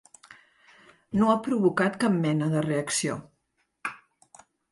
No ha provocat cap mena de reacció.